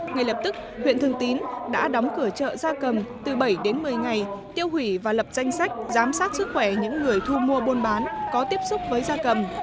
ngay lập tức huyện thường tín đã đóng cửa chợ gia cầm từ bảy đến một mươi ngày tiêu hủy và lập danh sách giám sát sức khỏe những người thu mua buôn bán có tiếp xúc với da cầm